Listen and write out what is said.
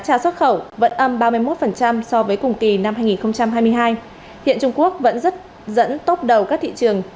trà xuất khẩu vẫn âm ba mươi một so với cùng kỳ năm hai nghìn hai mươi hai hiện trung quốc vẫn rất dẫn tốt đầu các thị trường